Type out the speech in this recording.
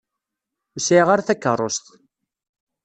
Ur sɛiɣ ara takeṛṛust.